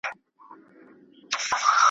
د خاورين بنده د كړو گناهونو .